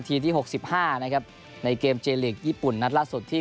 ที่หกสิบห้านะครับในเกมเจลีกญี่ปุ่นนัดล่าสุดที่